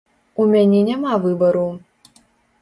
У мяне няма выбару.